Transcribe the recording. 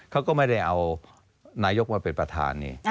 เขาก็ไม่ได้เอานายกมาเป็นประธานนี่